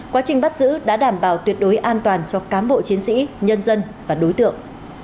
quá trình bắt giữ đã đảm bảo tuyệt đối an toàn cho cám bộ chiến sĩ nhân dân và đối tượng